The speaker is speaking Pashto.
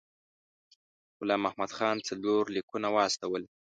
غلام محمد خان څلور لیکونه واستول.